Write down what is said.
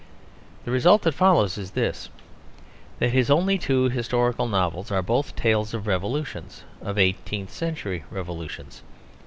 The result that follows is this: that his only two historical novels are both tales of revolutions of eighteenth century revolutions.